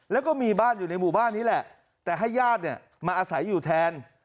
แล้วก็มีบ้านอยู่ในหมู่บ้านนี้แหละแต่ให้ญาติเนี่ยมาอาศัยอยู่แทน